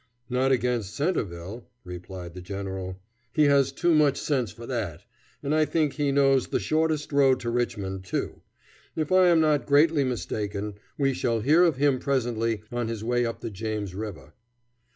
"Not against Centreville," replied the general. "He has too much sense for that, and I think he knows the shortest road to Richmond, too. If I am not greatly mistaken, we shall hear of him presently on his way up the James River."